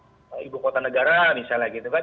ibu kota negara misalnya gitu kan